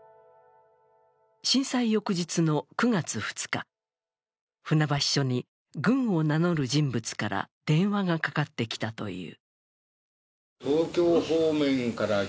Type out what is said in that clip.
震災翌日の９月２日、船橋署に軍を名乗る人物から電話がかかってきたという。